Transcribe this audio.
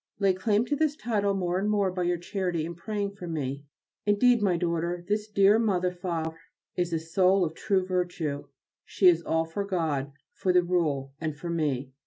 Lay claim to this title more and more by your charity in praying for me. Indeed, my daughter, this dear Mother (Favre) is a soul of true virtue. She is all for God, for the Rule, and for me.